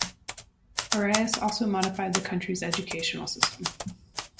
Arias also modified the country's educational system.